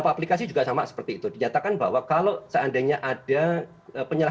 sampai jumpa di jangan lupa